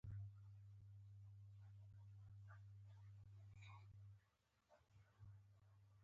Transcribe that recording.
بې رخۍ د زمانې دې زړګی سوړ کړ